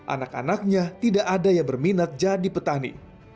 anak anaknya tidak ada yang berminat jadi petani